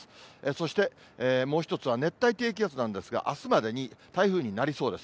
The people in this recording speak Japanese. そして、もう１つは熱帯低気圧なんですが、あすまでに台風になりそうです。